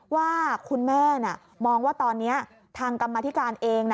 ว่าคุณแม่มองว่าตอนนี้ทางกรรมธิการเอง